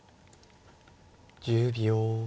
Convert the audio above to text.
１０秒。